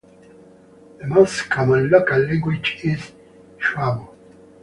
The most common local language is Chuabo.